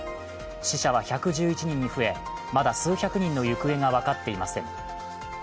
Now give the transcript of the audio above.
死者は１１１人に増え、まだ数百人の行方が分かっていません。